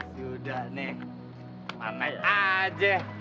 sudah nih manis aja